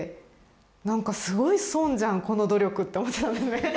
なんか「すごい損じゃんこの努力」って思っちゃったんですね。